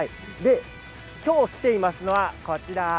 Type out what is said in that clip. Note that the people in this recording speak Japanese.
今日来ていますのはこちらです。